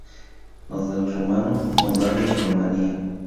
Los del rumano: Moldavia y Rumanía.